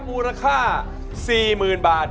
มูลค่า๔๐๐๐บาท